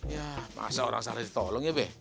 ya masa orang sana ditolong ya be